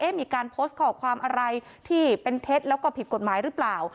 มีการโพสต์ข้อความอะไรที่เป็นเท็จแล้วก็ผิดกฎหมายหรือเปล่า